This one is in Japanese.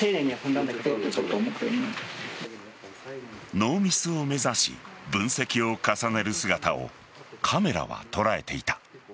ノーミスを目指し分析を重ねる姿をカメラは捉えていた。